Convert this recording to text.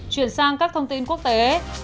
chuyển sang các thông tin quốc tế